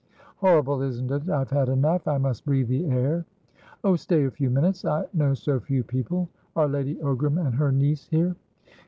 "Horrible, isn't it. I've had enough; I must breathe the air." "Oh, stay a few minutes. I know so few people. Are Lady Ogram and her niece here?"